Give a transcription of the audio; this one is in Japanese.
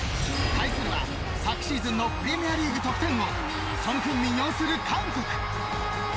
対するは昨シーズンのプレミアリーグ得点王ソン・フンミン擁する韓国。